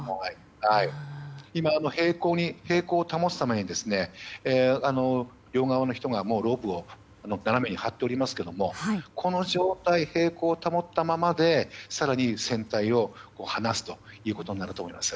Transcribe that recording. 今、平行を保つために両側の人がロープを斜めに張っておりますがこの状態、平行を保ったままで更に船体を離すということになると思います。